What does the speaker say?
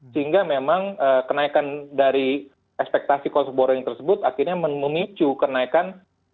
sehingga memang kenaikan dari ekspektasi cost of boring tersebut akhirnya memicu kenaikan